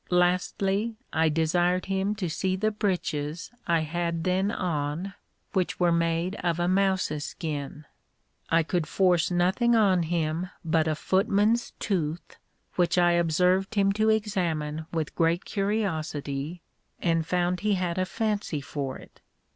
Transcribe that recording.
Lastly, I desired him to see the breeches I had then on, which were made of a mouse's skin. I could force nothing on him but a footman's tooth, which I observed him to examine with great curiosity, and found he had a fancy for it.